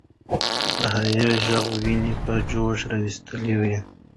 د هغې ږغ ويني په جوش راوستلې وې.